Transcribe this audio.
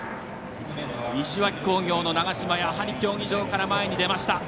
西脇工業の長嶋やはり競技場から前に出ました。